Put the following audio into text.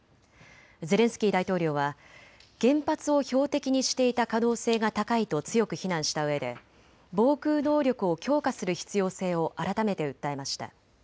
ゼレンスキー大統領は原発を標的にしていた可能性が高いと強く非難したうえで防空能力を強化する必要性を改めて訴えました。